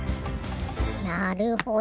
なるほど。